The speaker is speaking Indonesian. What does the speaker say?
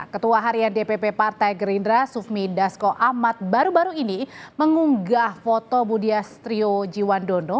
ketua harian dpp partai gerindra sufmi dasko ahmad baru baru ini mengunggah foto budias trio jiwandono